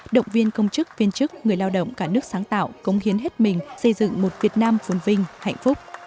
động viên công chức viên chức người lao động cả nước sáng tạo cống hiến hết mình xây dựng một việt nam vốn vinh hạnh phúc